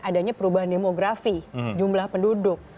adanya perubahan demografi jumlah penduduk